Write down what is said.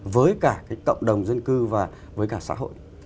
với cả cái cộng đồng dân cư và với cả xã hội